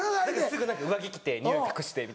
すぐ何か上着着てニオイ隠してみたいな。